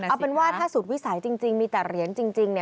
เอาเป็นว่าถ้าสุดวิสัยจริงมีแต่เหรียญจริง